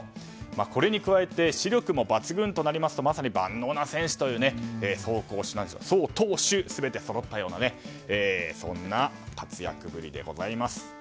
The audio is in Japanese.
これに加えて視力も抜群となりますとまさに万能な選手という走投守全てそろったそんな活躍ぶりでございます。